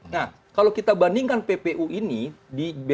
nah kalau kita bandingkan ppu ini di bpjs ketenagakan